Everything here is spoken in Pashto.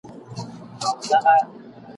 روغتیا ته پاملرنه د مور په کور کي پیليږي.